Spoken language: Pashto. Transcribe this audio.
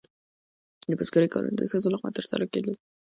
د بزګرۍ کارونه د ښځو لخوا ترسره کیدل.